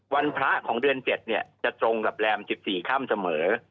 วันพระของเดือน๗จะตรงกับแรม๑๔ค่ำเสมอ